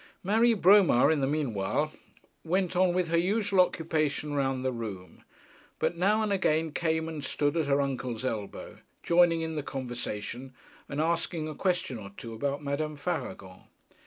Marie Bromar in the mean while went on with her usual occupation round the room, but now and again came and stood at her uncle's elbow, joining in the conversation, and asking a question or two about Madame Faragon.